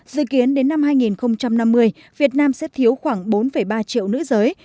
dự kiến đến năm hai nghìn năm mươi việt nam sẽ thiếu khoảng bốn ba triệu nữ giới